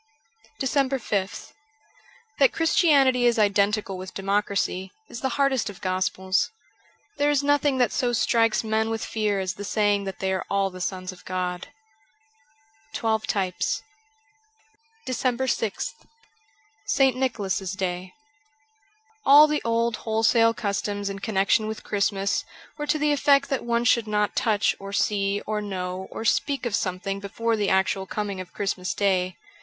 376 DECEMBER 5th THAT Christianity is identical with democracy, is the hardest of gospels ; there is nothing that so strikes men with fear as the saying that they are all the sons of God. ' Twelve Types. ' 377 DECEMBER 6th ST. NICHOLAS'S DAY ALL the old wholesome customs in connexion with Christmas were to the effect that one should not touch or see or know or speak of something before the actual coming of Christmas Day.